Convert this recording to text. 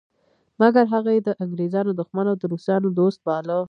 مګر هغه یې د انګریزانو دښمن او د روسانو دوست باله.